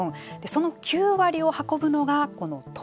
その９割を運ぶのがこのトラックです。